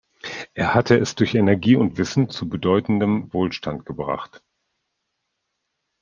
Er hatte es durch Energie und Wissen zu bedeutendem Wohlstand gebracht.